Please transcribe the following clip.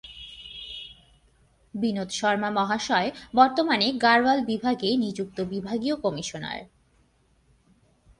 বিনোদ শর্মা মহাশয় বর্তমানে গাড়োয়াল বিভাগে নিযুক্ত বিভাগীয় কমিশনার।